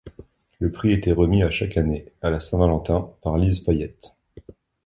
Le prix était remis à chaque année, à la Saint-Valentin, par Lise Payette.